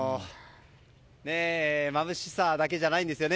まぶしさだけじゃないんですね